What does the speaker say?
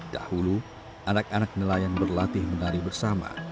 dahulu anak anak nelayan berlatih menari bersama